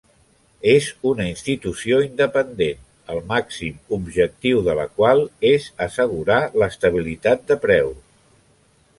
És una institució independent el màxim objectiu de la qual és assegurar l'estabilitat de preus.